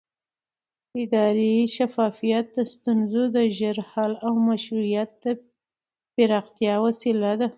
اداري شفافیت د ستونزو د ژر حل او مشروعیت د پراختیا وسیله ده